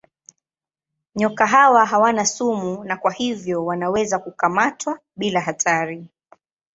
Nyoka hawa hawana sumu na kwa hivyo wanaweza kukamatwa bila hatari.